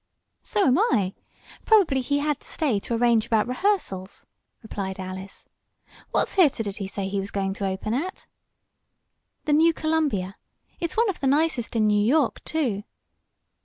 "So am I. Probably he had to stay to arrange about rehearsals," replied Alice. "What theater did he say he was going to open at?" "The New Columbia. It's one of the nicest in New York, too."